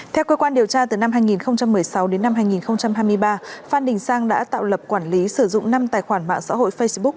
theo cơ quan điều tra từ năm hai nghìn một mươi sáu đến năm hai nghìn hai mươi ba phan đình sang đã tạo lập quản lý sử dụng năm tài khoản mạng xã hội facebook